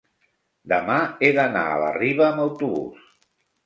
demà he d'anar a la Riba amb autobús.